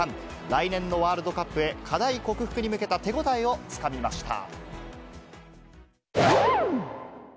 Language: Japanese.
来年のワールドカップへ、課題克服に向けた手応えをつかみました。